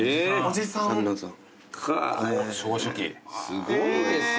すごいですね。